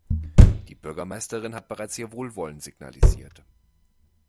Die Bürgermeisterin hat bereits ihr Wohlwollen signalisiert.